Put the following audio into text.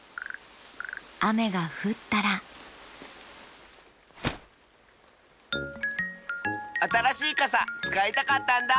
あめがふったらあたらしいかさつかいたかったんだ！